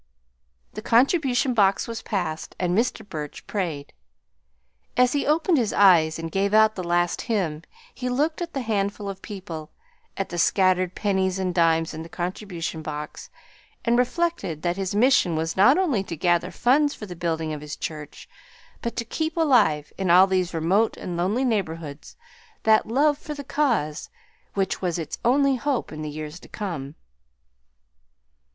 The contribution box was passed and Mr. Burch prayed. As he opened his eyes and gave out the last hymn he looked at the handful of people, at the scattered pennies and dimes in the contribution box, and reflected that his mission was not only to gather funds for the building of his church, but to keep alive, in all these remote and lonely neighborhoods, that love for the cause which was its only hope in the years to come.